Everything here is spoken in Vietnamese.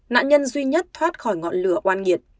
nạn nhân duy nhất thoát khỏi ngọn lửa